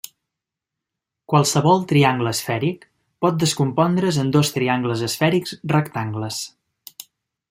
Qualsevol triangle esfèric pot descompondre's en dos triangles esfèrics rectangles.